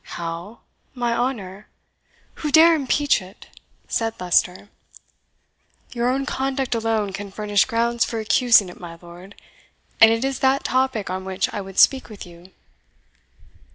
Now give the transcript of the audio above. "How! my honour? Who dare impeach it?" said Leicester. "Your own conduct alone can furnish grounds for accusing it, my lord, and it is that topic on which I would speak with you."